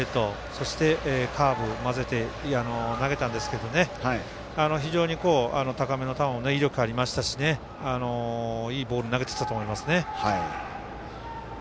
そして、カーブを交ぜて投げたんですけど非常に高めの球も威力ありましたしいいボール投げていたと思います。